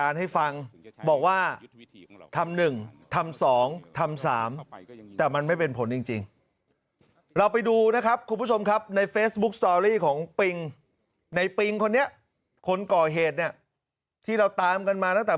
นั่นก็คือเป็นการที่สามารถครับ